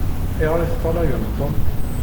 Ayɣeṛ i teṭṭalayem Tom?